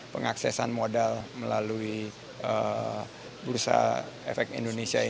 pengaksesan modal melalui bursa efek indonesia ini